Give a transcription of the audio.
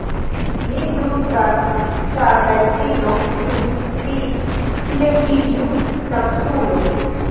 Mi flustras ĉar la edzino ĵus kriis "Silentiĝu kaculo!"